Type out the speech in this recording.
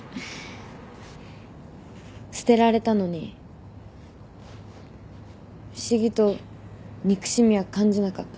捨てられたのに不思議と憎しみは感じなかった。